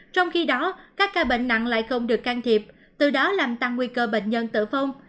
trong khi đó các ca bệnh nặng lại không được can thiệp từ đó làm tăng nguy cơ bệnh nhân tử vong